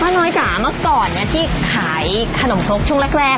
ป้าน้อยจ่ะมาก่อนที่ขายขนมครกช่วงแรก